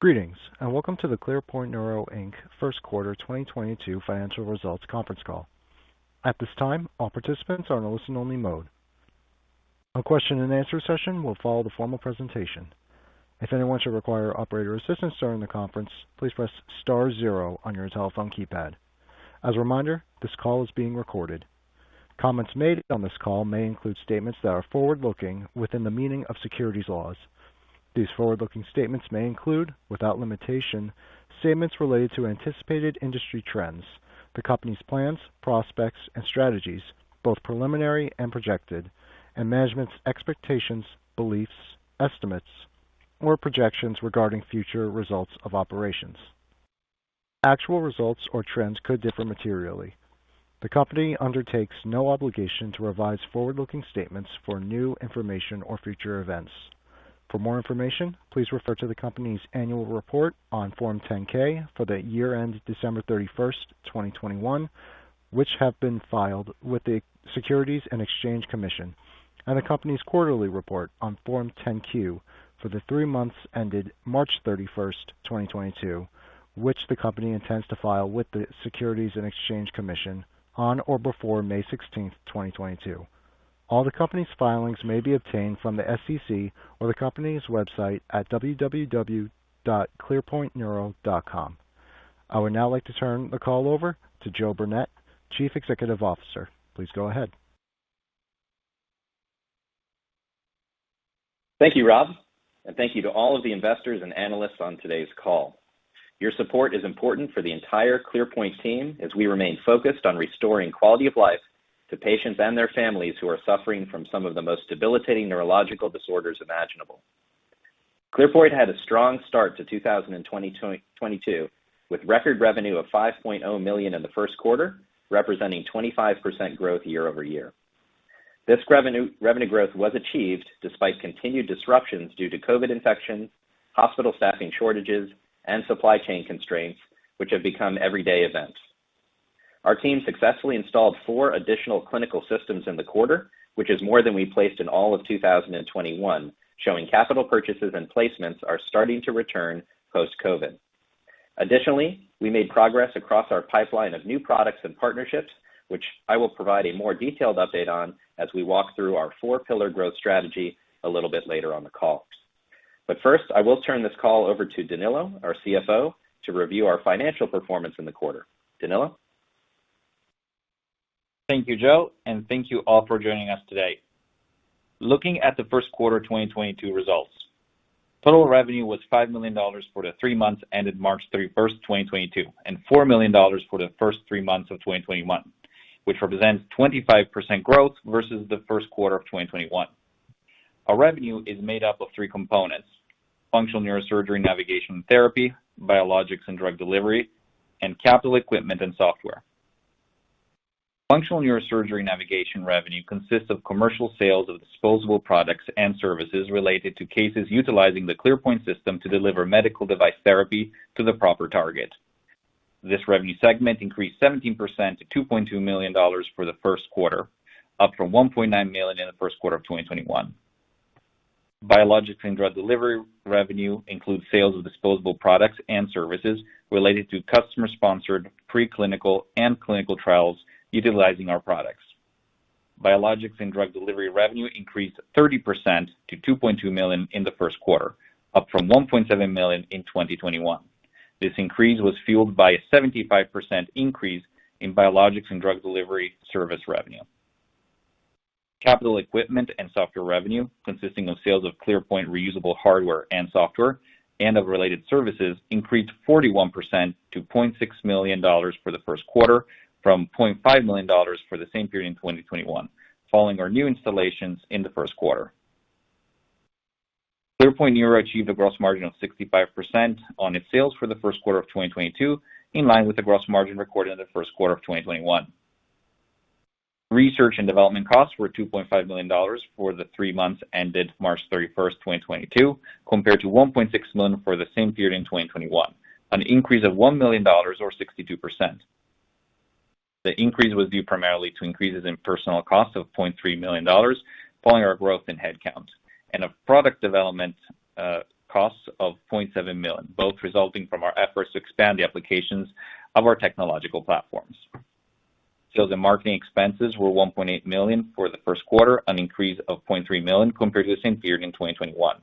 Greetings, and welcome to the ClearPoint Neuro, Inc. first quarter 2022 financial results conference call. At this time, all participants are in a listen-only mode. A question-and-answer session will follow the formal presentation. If anyone should require operator assistance during the conference, please press star zero on your telephone keypad. As a reminder, this call is being recorded. Comments made on this call may include statements that are forward-looking within the meaning of securities laws. These forward-looking statements may include, without limitation, statements related to anticipated industry trends, the company's plans, prospects, and strategies, both preliminary and projected, and management's expectations, beliefs, estimates, or projections regarding future results of operations. Actual results or trends could differ materially. The company undertakes no obligation to revise forward-looking statements for new information or future events. For more information, please refer to the company's annual report on Form 10-K for the year ended December 31st, 2021, which have been filed with the Securities and Exchange Commission, and the company's quarterly report on Form 10-Q for the three months ended March 31st, 2022, which the company intends to file with the Securities and Exchange Commission on or before May 16, 2022. All the company's filings may be obtained from the SEC or the company's website at www.clearpointneuro.com. I would now like to turn the call over to Joe Burnett, Chief Executive Officer. Please go ahead. Thank you, Rob, and thank you to all of the investors and analysts on today's call. Your support is important for the entire ClearPoint team as we remain focused on restoring quality of life to patients and their families who are suffering from some of the most debilitating neurological disorders imaginable. ClearPoint had a strong start to 2022 with record revenue of $5.0 million in the first quarter, representing 25% growth year-over-year. This revenue growth was achieved despite continued disruptions due to COVID infections, hospital staffing shortages, and supply chain constraints, which have become everyday events. Our team successfully installed four additional clinical systems in the quarter, which is more than we placed in all of 2021, showing capital purchases and placements are starting to return post-COVID. Additionally, we made progress across our pipeline of new products and partnerships, which I will provide a more detailed update on as we walk through our four pillar growth strategy a little bit later on the call. First, I will turn this call over to Danilo, our CFO, to review our financial performance in the quarter. Danilo. Thank you, Joe, and thank you all for joining us today. Looking at the first quarter 2022 results. Total revenue was $5 million for the three months ended March 31st, 2022, and $4 million for the first three months of 2021, which represents 25% growth versus the first quarter of 2021. Our revenue is made up of three components, functional neurosurgery navigation therapy, biologics and drug delivery, and capital equipment and software. Functional neurosurgery navigation revenue consists of commercial sales of disposable products and services related to cases utilizing the ClearPoint system to deliver medical device therapy to the proper target. This revenue segment increased 17% to $2.2 million for the first quarter, up from $1.9 million in the first quarter of 2021. Biologics and Drug Delivery revenue includes sales of disposable products and services related to customer-sponsored pre-clinical and clinical trials utilizing our products. Biologics and Drug Delivery revenue increased 30% to $2.2 million in the first quarter, up from $1.7 million in 2021. This increase was fueled by a 75% increase in Biologics and Drug Delivery service revenue. Capital equipment and software revenue, consisting of sales of ClearPoint reusable hardware and software and of related services, increased 41% to $0.6 million for the first quarter from $0.5 million for the same period in 2021, following our new installations in the first quarter. ClearPoint Neuro achieved a gross margin of 65% on its sales for the first quarter of 2022, in line with the gross margin recorded in the first quarter of 2021. Research and development costs were $2.5 million for the three months ended March 31st, 2022, compared to $1.6 million for the same period in 2021, an increase of $1 million or 62%. The increase was due primarily to increases in personal costs of $0.3 million, following our growth in headcount, and a product development cost of $0.7 million, both resulting from our efforts to expand the applications of our technological platforms. Sales and marketing expenses were $1.8 million for the first quarter, an increase of $0.3 million compared to the same period in 2021.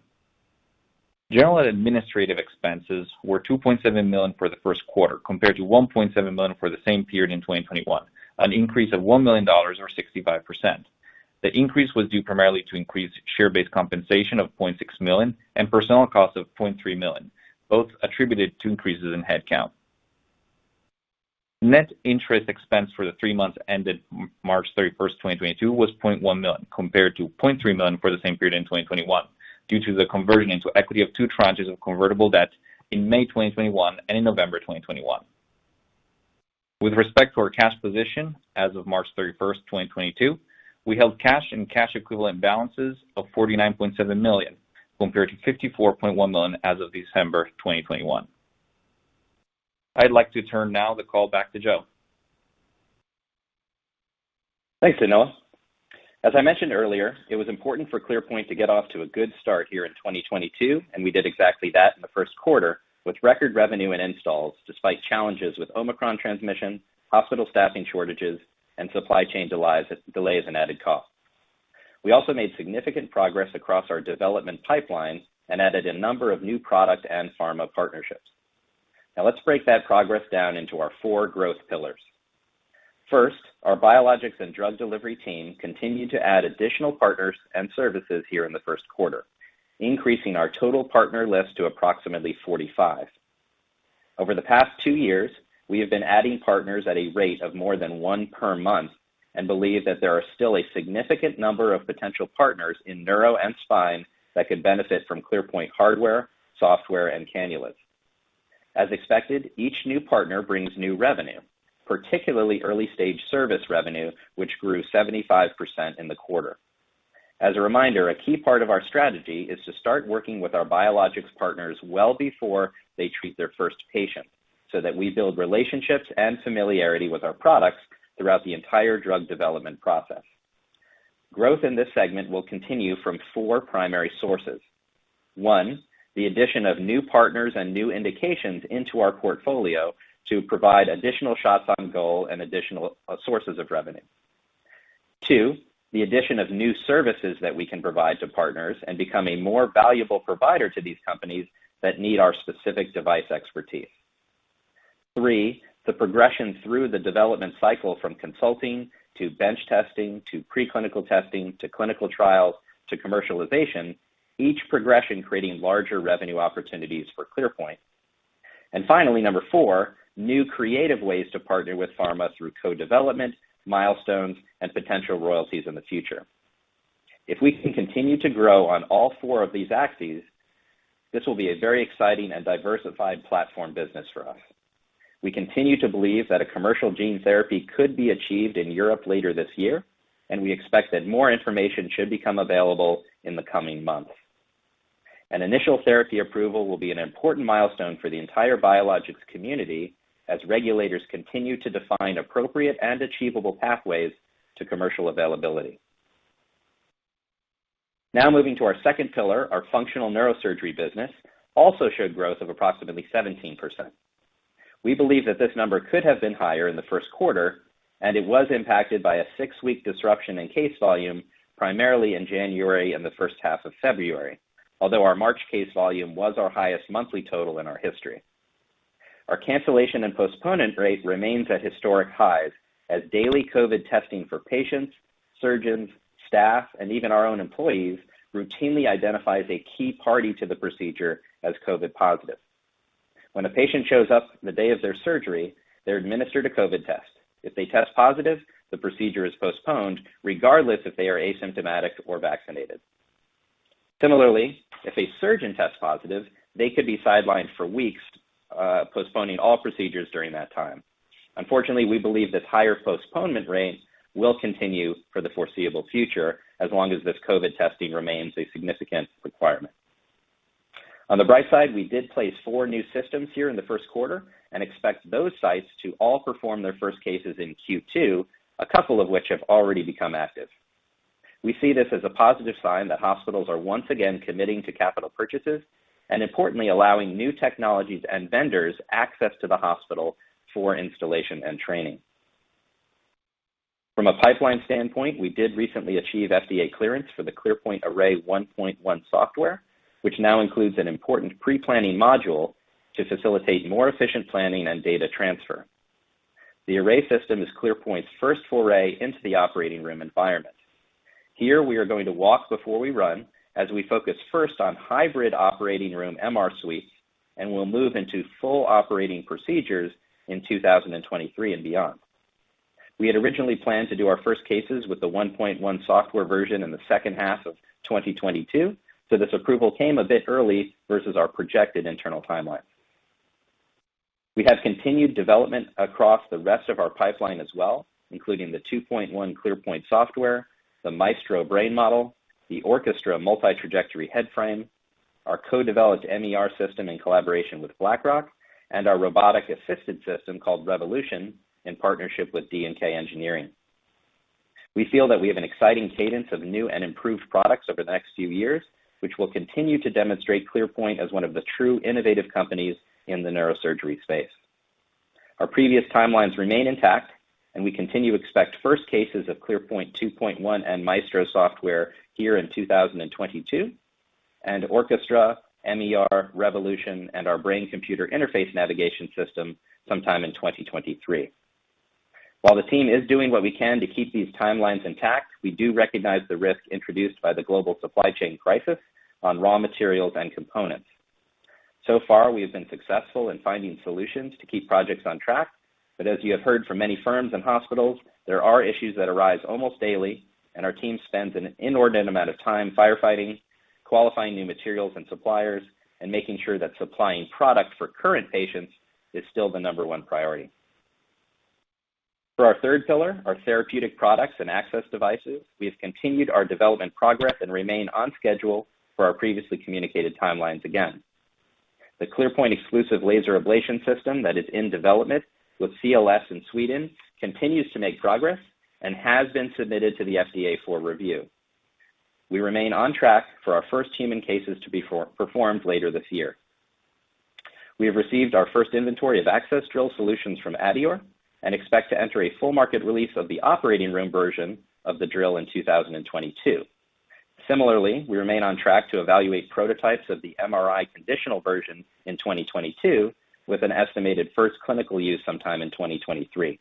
General and administrative expenses were $2.7 million for the first quarter, compared to $1.7 million for the same period in 2021, an increase of $1 million or 65%. The increase was due primarily to increased share-based compensation of $0.6 million and personnel costs of $0.3 million, both attributed to increases in headcount. Net interest expense for the three months ended March 31st, 2022 was $0.1 million, compared to $0.3 million for the same period in 2021, due to the conversion into equity of two tranches of convertible debt in May 2021 and in November 2021. With respect to our cash position as of March 31st, 2022, we held cash and cash equivalent balances of $49.7 million, compared to $54.1 million as of December 2021. I'd like to turn now the call back to Joe. Thanks, Danilo. As I mentioned earlier, it was important for ClearPoint to get off to a good start here in 2022, and we did exactly that in the first quarter with record revenue and installs despite challenges with Omicron transmission, hospital staffing shortages, and supply chain delays and added costs. We also made significant progress across our development pipeline and added a number of new product and pharma partnerships. Now let's break that progress down into our four growth pillars. First, our Biologics and Drug Delivery team continued to add additional partners and services here in the first quarter, increasing our total partner list to approximately 45. Over the past two years, we have been adding partners at a rate of more than one per month and believe that there are still a significant number of potential partners in neuro and spine that could benefit from ClearPoint hardware, software, and cannulas. As expected, each new partner brings new revenue, particularly early-stage service revenue, which grew 75% in the quarter. As a reminder, a key part of our strategy is to start working with our biologics partners well before they treat their first patient so that we build relationships and familiarity with our products throughout the entire drug development process. Growth in this segment will continue from four primary sources. One, the addition of new partners and new indications into our portfolio to provide additional shots on goal and additional sources of revenue. Two, the addition of new services that we can provide to partners and become a more valuable provider to these companies that need our specific device expertise. three, the progression through the development cycle from consulting to bench testing to pre-clinical testing to clinical trials to commercialization, each progression creating larger revenue opportunities for ClearPoint. Finally, number four new creative ways to partner with pharma through co-development, milestones, and potential royalties in the future. If we can continue to grow on all four of these axes, this will be a very exciting and diversified platform business for us. We continue to believe that a commercial gene therapy could be achieved in Europe later this year, and we expect that more information should become available in the coming months. An initial therapy approval will be an important milestone for the entire biologics community as regulators continue to define appropriate and achievable pathways to commercial availability. Now moving to our second pillar, our functional neurosurgery business also showed growth of approximately 17%. We believe that this number could have been higher in the first quarter, and it was impacted by a six-week disruption in case volume primarily in January and the first half of February. Although our March case volume was our highest monthly total in our history. Our cancellation and postponement rate remains at historic highs as daily COVID testing for patients, surgeons, staff, and even our own employees routinely identifies a key party to the procedure as COVID positive. When a patient shows up the day of their surgery, they're administered a COVID test. If they test positive, the procedure is postponed regardless if they are asymptomatic or vaccinated. Similarly, if a surgeon tests positive, they could be sidelined for weeks, postponing all procedures during that time. Unfortunately, we believe this higher postponement rate will continue for the foreseeable future as long as this COVID testing remains a significant requirement. On the bright side, we did place four new systems here in the first quarter and expect those sites to all perform their first cases in Q2, a couple of which have already become active. We see this as a positive sign that hospitals are once again committing to capital purchases and importantly, allowing new technologies and vendors access to the hospital for installation and training. From a pipeline standpoint, we did recently achieve FDA clearance for the SmartFrame Array 1.1 software, which now includes an important pre-planning module to facilitate more efficient planning and data transfer. The Array system is ClearPoint's first foray into the operating room environment. Here we are going to walk before we run as we focus first on hybrid operating room MR suites, and we'll move into full operating procedures in 2023 and beyond. We had originally planned to do our first cases with the 1.1 software version in the second half of 2022, so this approval came a bit early versus our projected internal timeline. We have continued development across the rest of our pipeline as well, including the ClearPoint 2.1 software, the Maestro Brain Model, the Orchestra multi-trajectory head frame, our co-developed MER system in collaboration with Blackrock Neurotech, and our robotic assistance system called Revolution in partnership with D&K Engineering. We feel that we have an exciting cadence of new and improved products over the next few years, which will continue to demonstrate ClearPoint as one of the true innovative companies in the neurosurgery space. Our previous timelines remain intact, and we continue to expect first cases of ClearPoint 2.1 and Maestro software here in 2022, and Orchestra, MER, Revolution, and our brain-computer interface navigation system sometime in 2023. While the team is doing what we can to keep these timelines intact, we do recognize the risk introduced by the global supply chain crisis on raw materials and components. So far, we have been successful in finding solutions to keep projects on track. As you have heard from many firms and hospitals, there are issues that arise almost daily, and our team spends an inordinate amount of time firefighting, qualifying new materials and suppliers, and making sure that supplying product for current patients is still the number one priority. For our third pillar, our therapeutic products and access devices, we have continued our development progress and remain on schedule for our previously communicated timelines again. The ClearPoint exclusive laser ablation system that is in development with CLS in Sweden continues to make progress and has been submitted to the FDA for review. We remain on track for our first human cases to be performed later this year. We have received our first inventory of access drill solutions from adeor and expect to enter a full market release of the operating room version of the drill in 2022. Similarly, we remain on track to evaluate prototypes of the MRI conditional version in 2022 with an estimated first clinical use sometime in 2023.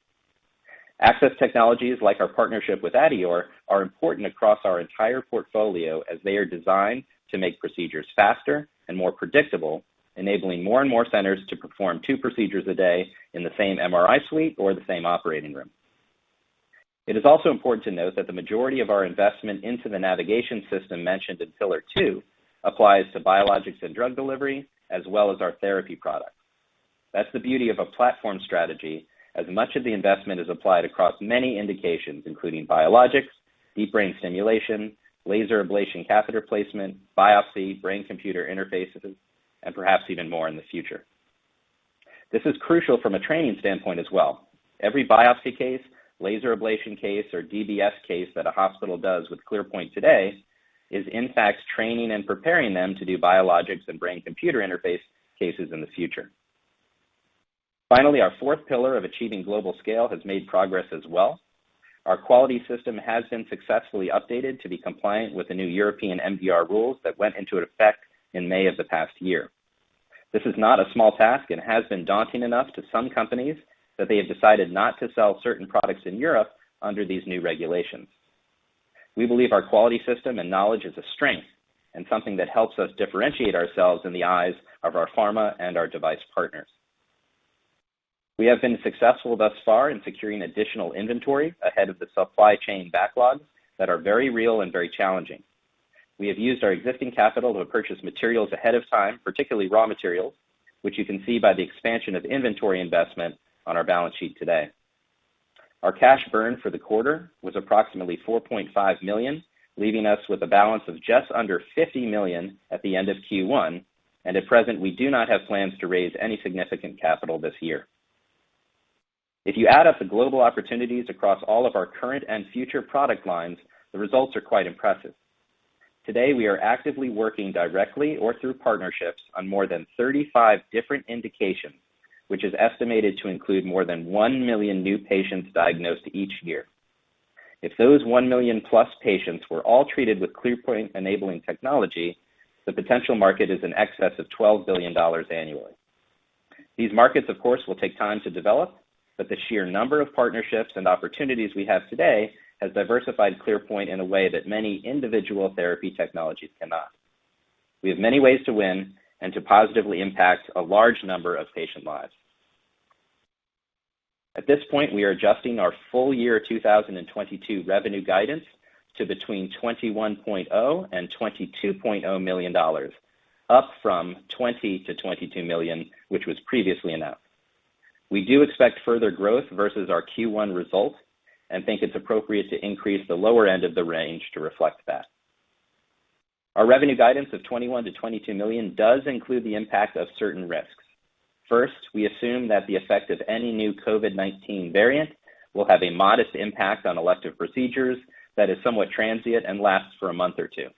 Access technologies, like our partnership with adeor, are important across our entire portfolio as they are designed to make procedures faster and more predictable, enabling more and more centers to perform two procedures a day in the same MRI suite or the same operating room. It is also important to note that the majority of our investment into the navigation system mentioned in pillar two applies to biologics and drug delivery as well as our therapy products. That's the beauty of a platform strategy, as much of the investment is applied across many indications, including biologics, deep brain stimulation, laser ablation, catheter placement, biopsy, brain-computer interfaces, and perhaps even more in the future. This is crucial from a training standpoint as well. Every biopsy case, laser ablation case, or DBS case that a hospital does with ClearPoint today is in fact training and preparing them to do biologics and brain-computer interface cases in the future. Finally, our fourth pillar of achieving global scale has made progress as well. Our quality system has been successfully updated to be compliant with the new European MDR rules that went into effect in May of the past year. This is not a small task, and has been daunting enough to some companies that they have decided not to sell certain products in Europe under these new regulations. We believe our quality system and knowledge is a strength and something that helps us differentiate ourselves in the eyes of our pharma and our device partners. We have been successful thus far in securing additional inventory ahead of the supply chain backlogs that are very real and very challenging. We have used our existing capital to purchase materials ahead of time, particularly raw materials, which you can see by the expansion of inventory investment on our balance sheet today. Our cash burn for the quarter was approximately $4.5 million, leaving us with a balance of just under $50 million at the end of Q1. At present, we do not have plans to raise any significant capital this year. If you add up the global opportunities across all of our current and future product lines, the results are quite impressive. Today, we are actively working directly or through partnerships on more than 35 different indications, which is estimated to include more than 1 million new patients diagnosed each year. If those 1+ million patients were all treated with ClearPoint enabling technology, the potential market is in excess of $12 billion annually. These markets, of course, will take time to develop, but the sheer number of partnerships and opportunities we have today has diversified ClearPoint in a way that many individual therapy technologies cannot. We have many ways to win and to positively impact a large number of patient lives. At this point, we are adjusting our full year 2022 revenue guidance to between $21.0 million-$22.0 million, up from $20 million-$22 million, which was previously announced. We do expect further growth versus our Q1 results and think it's appropriate to increase the lower end of the range to reflect that. Our revenue guidance of $21 million-$22 million does include the impact of certain risks. First, we assume that the effect of any new COVID-19 variant will have a modest impact on elective procedures that is somewhat transient and lasts for a month or two.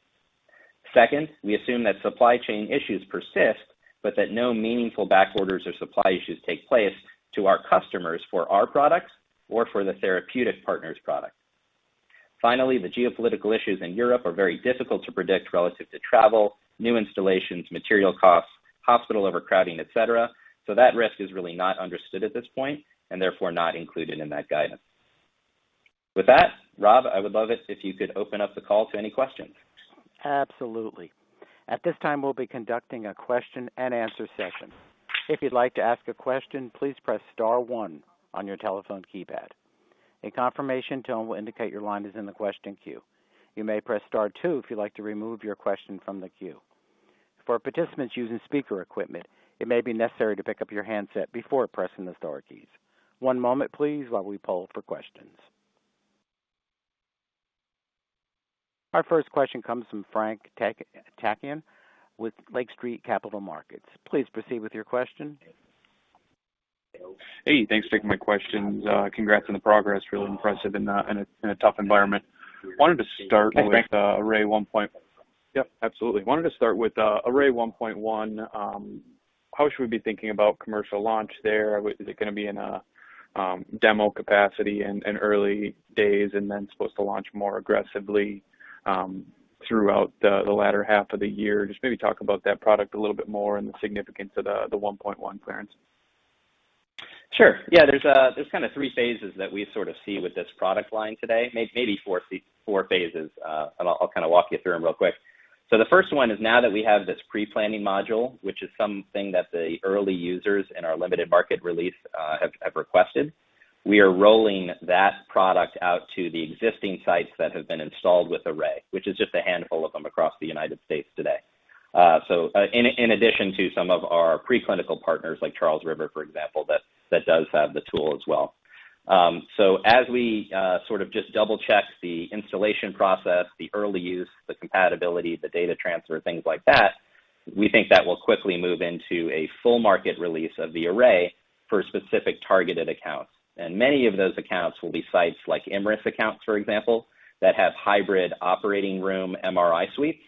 Second, we assume that supply chain issues persist, but that no meaningful back orders or supply issues take place to our customers for our products or for the therapeutic partners product. Finally, the geopolitical issues in Europe are very difficult to predict relative to travel, new installations, material costs, hospital overcrowding, et cetera. That risk is really not understood at this point and therefore not included in that guidance. With that, Rob, I would love it if you could open up the call to any questions. Absolutely. At this time, we'll be conducting a question and answer session. If you'd like to ask a question, please press star one on your telephone keypad. A confirmation tone will indicate your line is in the question queue. You may press star two if you'd like to remove your question from the queue. For participants using speaker equipment, it may be necessary to pick up your handset before pressing the star keys. One moment please while we poll for questions. Our first question comes from Frank Takkinen with Lake Street Capital Markets. Please proceed with your question. Hey, thanks for taking my questions. Congrats on the progress. Really impressive in a tough environment. Wanted to start with, Hey, Frank Yep, absolutely. Wanted to start with Array 1.1. How should we be thinking about commercial launch there? Is it going to be in a demo capacity in early days and then supposed to launch more aggressively throughout the latter half of the year? Just maybe talk about that product a little bit more and the significance of the 1.1 clearance. Sure. Yeah, there's kind of three phases that we sort of see with this product line today. Maybe four phases. I'll kind of walk you through them real quick. The first one is now that we have this pre-planning module, which is something that the early users in our limited market release have requested, we are rolling that product out to the existing sites that have been installed with Array, which is just a handful of them across the United States today. In addition to some of our preclinical partners like Charles River, for example, that does have the tool as well. As we sort of just double-check the installation process, the early use, the compatibility, the data transfer, things like that, we think that will quickly move into a full market release of the array for specific targeted accounts. Many of those accounts will be sites like IMRIS accounts, for example, that have hybrid operating room MRI suite,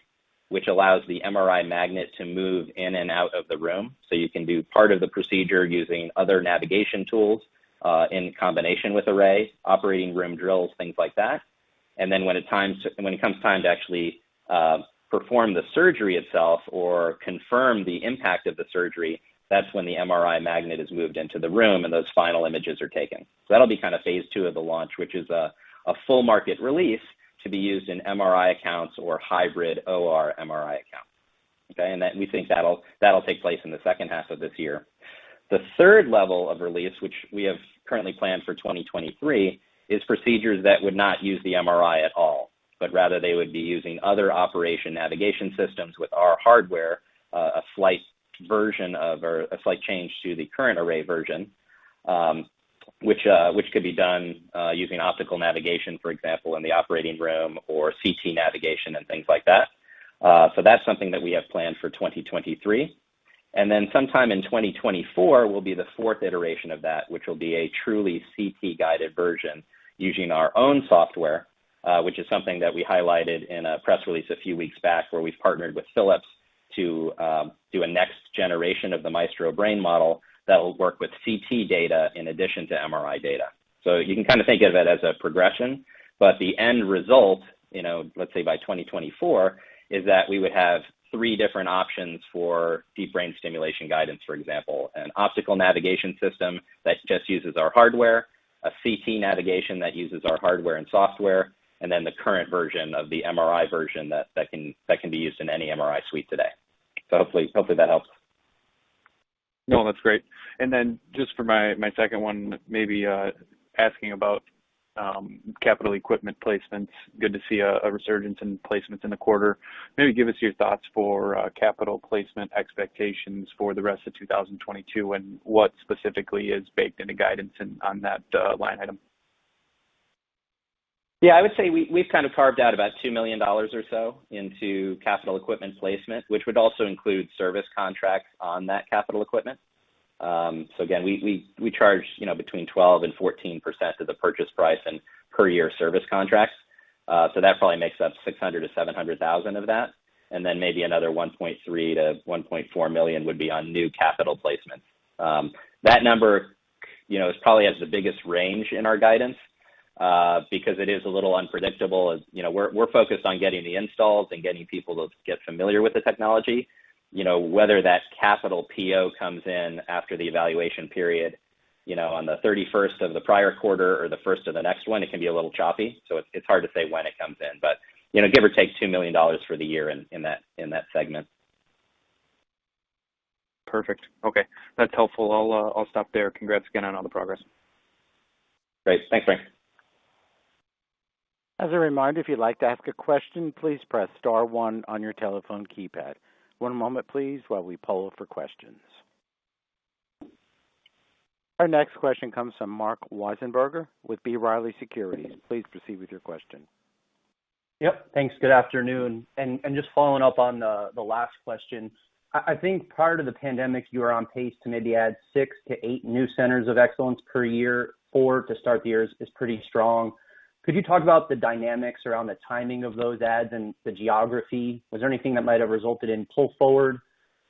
which allows the MRI magnet to move in and out of the room. You can do part of the procedure using other navigation tools in combination with array, operating room drills, things like that. When it comes time to actually perform the surgery itself or confirm the impact of the surgery, that's when the MRI magnet is moved into the room and those final images are taken. That'll be kind of phase two of the launch, which is a full market release to be used in MRI accounts or hybrid OR/MRI accounts. Okay? We think that'll take place in the second half of this year. The third level of release, which we have currently planned for 2023, is procedures that would not use the MRI at all, but rather they would be using other operating navigation systems with our hardware, a slight change to the current array version, which could be done using optical navigation, for example, in the operating room or CT navigation and things like that. That's something that we have planned for 2023. Then sometime in 2024 will be the fourth iteration of that, which will be a truly CT-guided version using our own software, which is something that we highlighted in a press release a few weeks back, where we've partnered with Philips to do a next generation of the Maestro Brain Model that will work with CT data in addition to MRI data. You can kind of think of it as a progression, but the end result, you know, let's say by 2024, is that we would have three different options for deep brain stimulation guidance, for example. An optical navigation system that just uses our hardware, a CT navigation that uses our hardware and software, and then the current version of the MRI version that can be used in any MRI suite today. Hopefully that helps. No, that's great. Just for my second one, maybe asking about capital equipment placements. Good to see a resurgence in placements in the quarter. Maybe give us your thoughts for capital placement expectations for the rest of 2022, and what specifically is baked into guidance in on that line item. Yeah, I would say we've kind of carved out about $2 million or so into capital equipment placement, which would also include service contracts on that capital equipment. So again, we charge, you know, between 12%-14% of the purchase price in per year service contracts. So that probably makes up $600,000-$700,000 of that. Then maybe another $1.3 million-$1.4 million would be on new capital placement. That number, you know, is probably has the biggest range in our guidance, because it is a little unpredictable. You know, we're focused on getting the installs and getting people to get familiar with the technology. You know, whether that capital PO comes in after the evaluation period, you know, on the 31st of the prior quarter or the first of the next one, it can be a little choppy, so it's hard to say when it comes in. You know, give or take $2 million for the year in that segment. Perfect. Okay. That's helpful. I'll stop there. Congrats again on all the progress. Great. Thanks, Frank. As a reminder, if you'd like to ask a question, please press star one on your telephone keypad. One moment, please, while we poll for questions. Our next question comes from Marc Wiesenberger with B. Riley Securities. Please proceed with your question. Yep. Thanks. Good afternoon. Just following up on the last question. I think prior to the pandemic, you were on pace to maybe add six-eight new centers of excellence per year. Four to start the year is pretty strong. Could you talk about the dynamics around the timing of those adds and the geography? Was there anything that might have resulted in pull forward?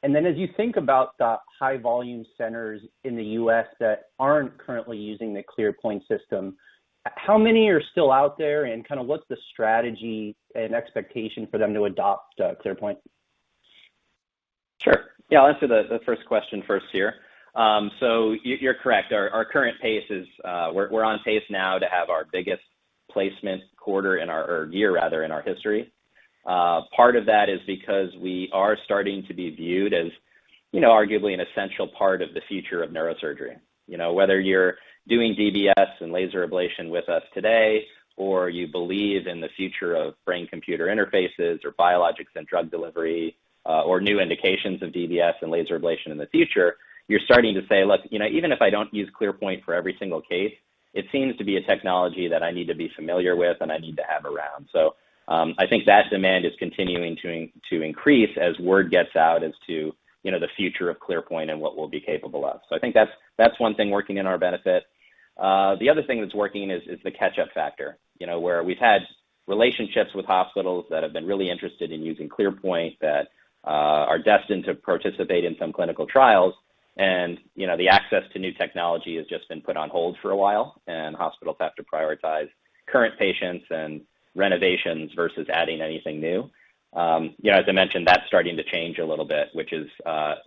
As you think about the high volume centers in the U.S. that aren't currently using the ClearPoint system, how many are still out there? Kinda what's the strategy and expectation for them to adopt ClearPoint? Sure. Yeah, I'll answer the first question first here. So you're correct. Our current pace is, we're on pace now to have our biggest placement quarter or year rather, in our history. Part of that is because we are starting to be viewed as, you know, arguably an essential part of the future of neurosurgery. You know, whether you're doing DBS and laser ablation with us today, or you believe in the future of brain-computer interfaces or Biologics and Drug Delivery, or new indications of DBS and laser ablation in the future, you're starting to say, Look, you know, even if I don't use ClearPoint for every single case, it seems to be a technology that I need to be familiar with and I need to have around. I think that demand is continuing to increase as word gets out as to, you know, the future of ClearPoint and what we'll be capable of. I think that's one thing working in our benefit. The other thing that's working is the catch-up factor. You know, where we've had relationships with hospitals that have been really interested in using ClearPoint that are destined to participate in some clinical trials. You know, the access to new technology has just been put on hold for a while, and hospitals have to prioritize current patients and renovations versus adding anything new. You know, as I mentioned, that's starting to change a little bit, which is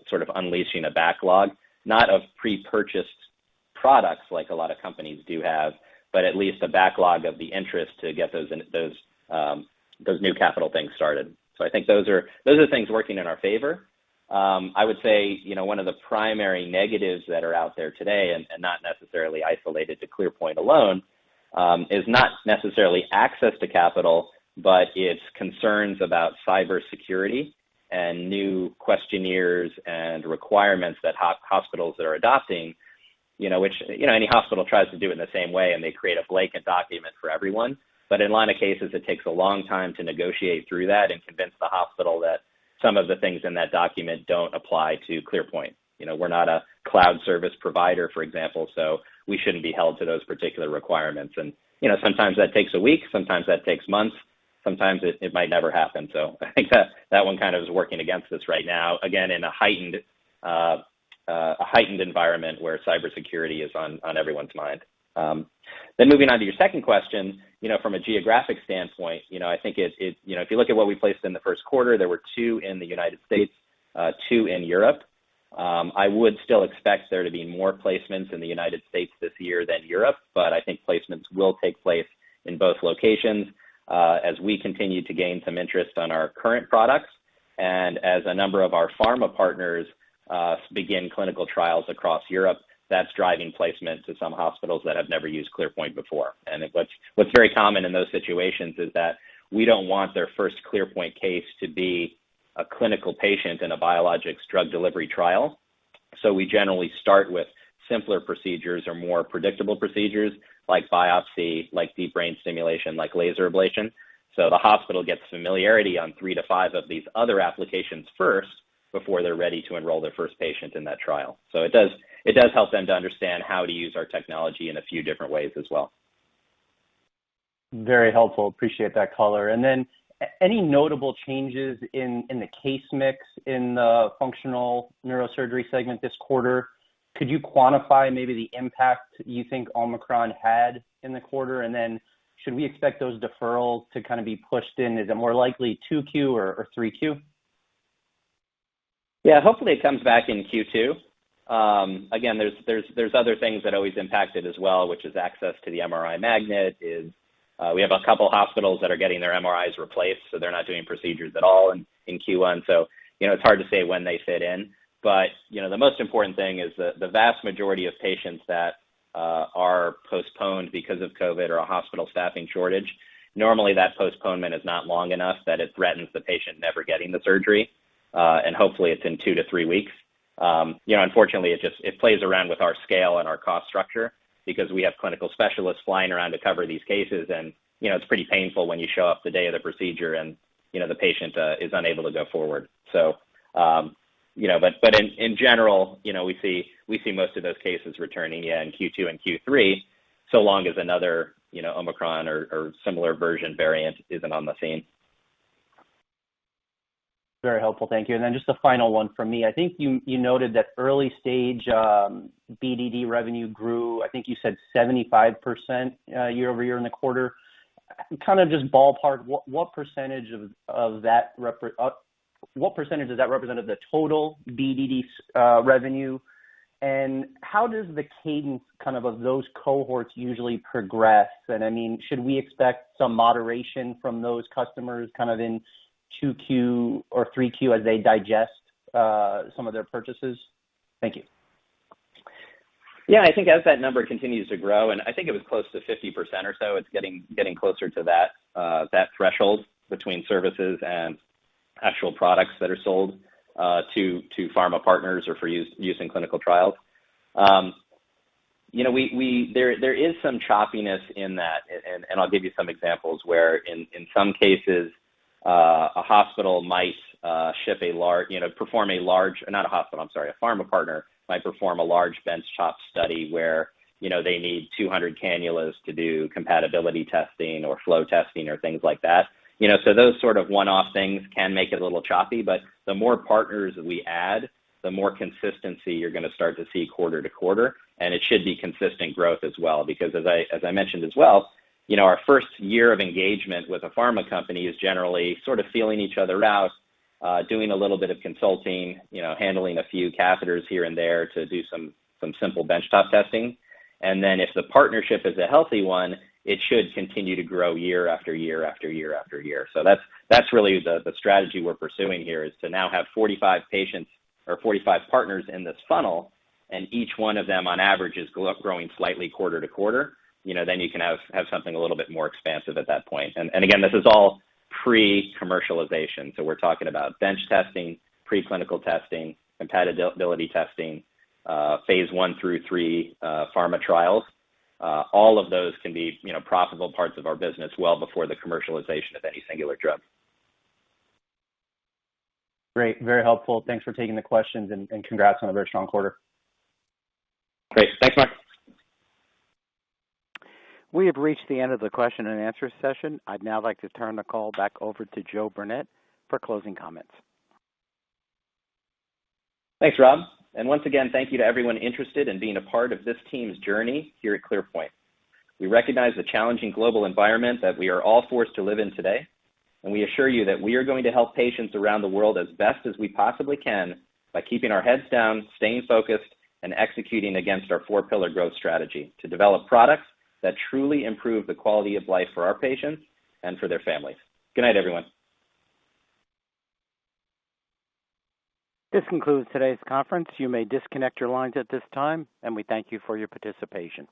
sort of unleashing a backlog, not of pre-purchased products like a lot of companies do have, but at least a backlog of the interest to get those new capital things started. I think those are things working in our favor. I would say, you know, one of the primary negatives that are out there today, and not necessarily isolated to ClearPoint alone, is not necessarily access to capital, but it's concerns about cybersecurity and new questionnaires and requirements that hospitals are adopting, you know, which, you know, any hospital tries to do it in the same way, and they create a blanket document for everyone. In a lot of cases, it takes a long time to negotiate through that and convince the hospital that some of the things in that document don't apply to ClearPoint. You know, we're not a cloud service provider, for example, so we shouldn't be held to those particular requirements. You know, sometimes that takes a week, sometimes that takes months, sometimes it might never happen. I think that one kind of is working against us right now. Again, in a heightened environment where cybersecurity is on everyone's mind. Then moving on to your second question, you know, from a geographic standpoint, you know, I think it's. You know, if you look at what we placed in the first quarter, there were two in the United States, two in Europe. I would still expect there to be more placements in the United States this year than Europe, but I think placements will take place in both locations, as we continue to gain some interest in our current products. As a number of our pharma partners begin clinical trials across Europe, that's driving placements to some hospitals that have never used ClearPoint before. What's very common in those situations is that we don't want their first ClearPoint case to be a clinical patient in a biologics drug delivery trial. We generally start with simpler procedures or more predictable procedures like biopsy, like deep brain stimulation, like laser ablation. The hospital gets familiarity on three-five of these other applications first before they're ready to enroll their first patient in that trial. It does help them to understand how to use our technology in a few different ways as well. Very helpful. Appreciate that color. Any notable changes in the case mix in the functional neurosurgery segment this quarter? Could you quantify maybe the impact you think Omicron had in the quarter? Should we expect those deferrals to kind of be pushed in, is it more likely 2Q or 3Q? Yeah. Hopefully, it comes back in Q2. Again, there's other things that always impact it as well, which is access to the MRI magnet. We have a couple hospitals that are getting their MRIs replaced, so they're not doing procedures at all in Q1. You know, it's hard to say when they fit in. You know, the most important thing is the vast majority of patients that are postponed because of COVID or a hospital staffing shortage, normally, that postponement is not long enough that it threatens the patient never getting the surgery, and hopefully it's in two to three weeks. You know, unfortunately, it just plays around with our scale and our cost structure because we have clinical specialists flying around to cover these cases. You know, it's pretty painful when you show up the day of the procedure and, you know, the patient is unable to go forward. But in general, you know, we see most of those cases returning, yeah, in Q2 and Q3, so long as another, you know, Omicron or similar version variant isn't on the scene. Very helpful. Thank you. Then just the final one from me. I think you noted that early stage BDD revenue grew, I think you said 75% year-over-year in the quarter. Kind of just ballpark, what percentage does that represent of the total BDD revenue, and how does the cadence of those cohorts usually progress? I mean, should we expect some moderation from those customers kind of in 2Q or 3Q as they digest some of their purchases? Thank you. Yeah. I think as that number continues to grow, and I think it was close to 50% or so, it's getting closer to that threshold between services and actual products that are sold to pharma partners or for use in clinical trials. You know, we—There is some choppiness in that, and I'll give you some examples where in some cases a hospital might ship a lar—you know, perform a large. Not a hospital, I'm sorry. A pharma partner might perform a large benchtop study where, you know, they need 200 cannulas to do compatibility testing or flow testing or things like that. You know, so those sort of one-off things can make it a little choppy. The more partners we add, the more consistency you're gonna start to see quarter-to-quarter, and it should be consistent growth as well. Because as I mentioned as well, you know, our first year of engagement with a pharma company is generally sort of feeling each other out, doing a little bit of consulting, you know, handling a few catheters here and there to do some simple benchtop testing. If the partnership is a healthy one, it should continue to grow year after year after year after year. That's really the strategy we're pursuing here, is to now have 45 patients or 45 partners in this funnel, and each one of them, on average, is growing slightly quarter to quarter. You know, then you can have something a little bit more expansive at that point. Again, this is all pre-commercialization. We're talking about bench testing, pre-clinical testing, compatibility testing, phase I through phase III, pharma trials. All of those can be, you know, profitable parts of our business well before the commercialization of any singular drug. Great. Very helpful. Thanks for taking the questions, and congrats on a very strong quarter. Great. Thanks, Marc. We have reached the end of the question and answer session. I'd now like to turn the call back over to Joe Burnett for closing comments. Thanks, Rob. Once again, thank you to everyone interested in being a part of this team's journey here at ClearPoint Neuro. We recognize the challenging global environment that we are all forced to live in today, and we assure you that we are going to help patients around the world as best as we possibly can by keeping our heads down, staying focused, and executing against our four-pillar growth strategy to develop products that truly improve the quality of life for our patients and for their families. Good night, everyone. This concludes today's conference. You may disconnect your lines at this time, and we thank you for your participation.